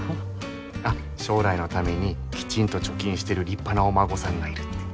将来のためにきちんと貯金してる立派なお孫さんがいるって。